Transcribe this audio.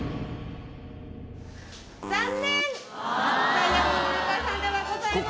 ダイアモンド☆ユカイさんではございません